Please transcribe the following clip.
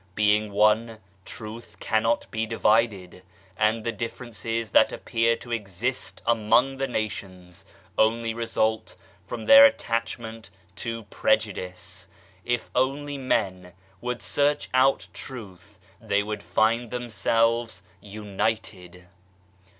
Being one, Truth cannot be divided, and the differences that appear to exist among the nations only result from their attachment to prejudice. If only men would search out Truth, they would find themselves united.